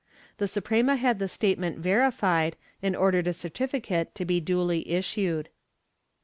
The Suprema had the statement verified and ordered a certificate to be duly issued.